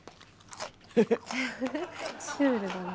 シュールだな。